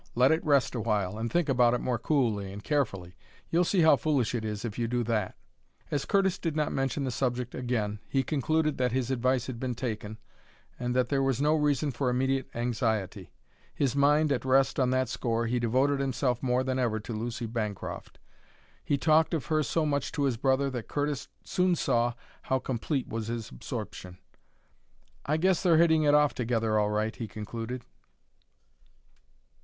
Let it rest a while, and think about it more coolly and carefully; you'll see how foolish it is if you do that." As Curtis did not mention the subject again, he concluded that his advice had been taken and that there was no reason for immediate anxiety. His mind at rest on that score, he devoted himself more than ever to Lucy Bancroft. He talked of her so much to his brother that Curtis soon saw how complete was his absorption. "I guess they're hitting it off together all right," he concluded.